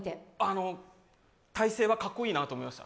体勢はかっこいいなと思いました。